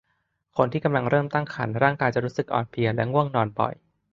คนที่กำลังเริ่มตั้งครรภ์ร่างกายจะรู้สึกอ่อนเพลียและง่วงนอนบ่อย